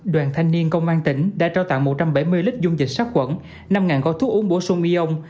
đoàn thanh niên công an tỉnh đã trao tặng một trăm bảy mươi lít dung dịch sát quẩn năm gói thuốc uống bổ sung nion